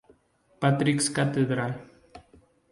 Patrick's Cathedral.